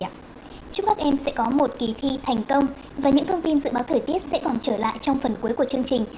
chúc các em sẽ có một kỳ thi thành công và những thông tin dự báo thời tiết sẽ còn trở lại trong phần cuối của chương trình